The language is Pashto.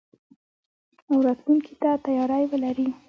او راتلونکي ته تياری ولري.